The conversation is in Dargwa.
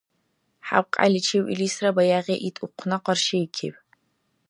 ХӀябкьяйличив илисра баягъи ит ухъна къаршиикиб.